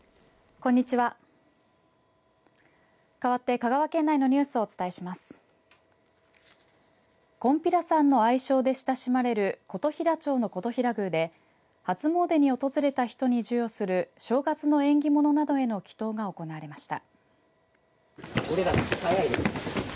こんぴらさんの愛称で親しまれる琴平町の金刀比羅宮で初もうでに訪れた人に授与する正月の縁起物などへの祈とうが行われました。